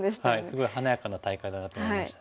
すごい華やかな大会だなと思いましたね。